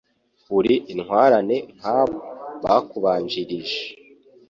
Uri intwarane nka bo, bakubanjirij